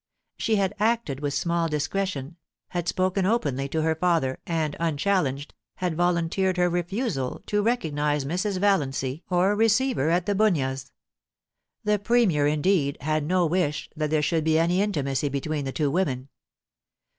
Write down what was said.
She had acted with small discretion, had spoken openly to her father, and, unchallenged, had volun teered her refusal to recognise Mrs. Valiancy or receive her at The Bunyas. The Premier, indeed, had no wish that there should be any intimacy between the two women.